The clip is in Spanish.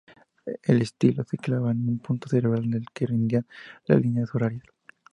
El stilo se clava en un punto central del que irradian las líneas horarias.